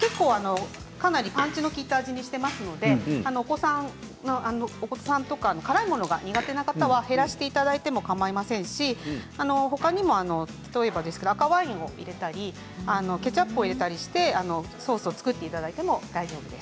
かなりパンチの利いた味にしていますのでお子さんとか辛いものが苦手な方は減らしていただいてもかまいませんしほかにも例えば赤ワインを入れたりケチャップを入れたりしてソースを作っていただいても大丈夫です。